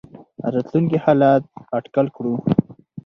راتلونکي حالات اټکل کړو.